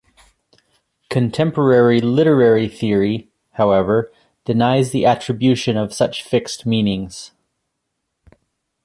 Contemporary literary theory, however, denies the attribution of such fixed meanings.